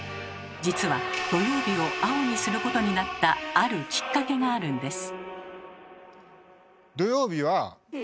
実は土曜日を青にすることになったあるキッカケがあるんです。